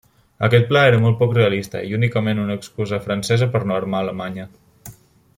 Aquest pla era molt poc realista, i únicament una excusa francesa per no armar Alemanya.